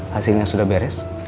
hasilnya sudah beres